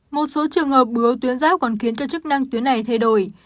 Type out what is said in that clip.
một số trường hợp bưa tuyến giáp còn khiến cho chức năng tuyến này thay đổi